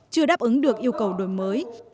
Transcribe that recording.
chưa đáp ứng được yêu cầu đổi mới